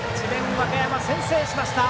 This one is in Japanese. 和歌山、先制しました。